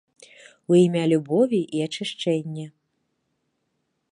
У імя любові і ачышчэння.